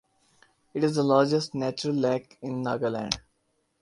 It is the largest natural lake in Nagaland.